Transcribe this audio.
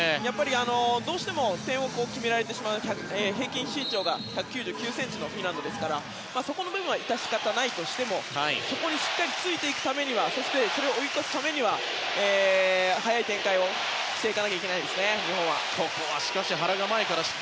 どうしても点を決められてしまう平均身長が１９９ｃｍのフィンランドなのでその部分は致し方ないとしてもそこにしっかりついていくためにはそしてそれを追い越すためには早い展開をしていかないといけないですね。